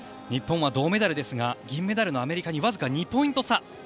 日本は銅メダルですが銀メダルのアメリカに僅か２ポイント差。